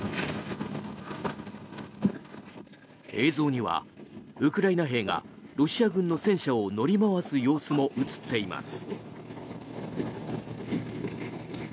映像にはウクライナ兵がロシア軍の戦車を乗り回す様子も映っています。